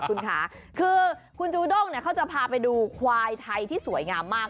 คุณค่ะคือคุณจูด้งเขาจะพาไปดูควายไทยที่สวยงามมาก